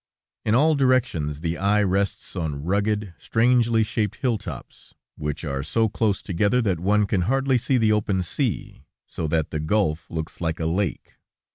In all directions the eye rests on rugged, strangely shaped hill tops, which are so close together that one can hardly see the open sea, so that the gulf looks like a lake.